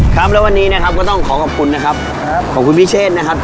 ครับแล้ววันนี้นะครับก็ต้องขอขอบคุณนะครับครับขอบคุณพิเชษนะครับ